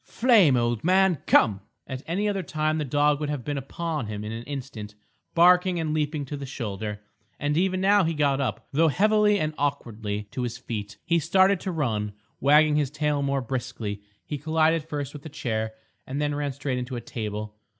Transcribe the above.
"Flame, old man! come!" At any other time the dog would have been upon him in an instant, barking and leaping to the shoulder. And even now he got up, though heavily and awkwardly, to his feet. He started to run, wagging his tail more briskly. He collided first with a chair, and then ran straight into a table.